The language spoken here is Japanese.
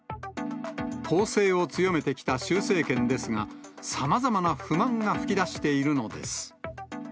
統制を強めてきた習政権ですが、さまざまな不満が噴き出しているのです。